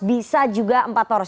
bisa juga empat poros